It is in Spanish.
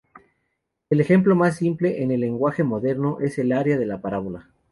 El ejemplo más simple en el lenguaje moderno es el área de la parábola.